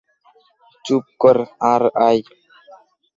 চুপ কর আর আয়!